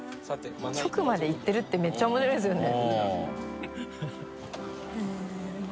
局まで行ってるってめっちゃ面白いですよね。